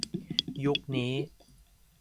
ยุคนี้